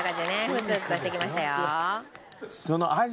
フツフツとしてきましたよ。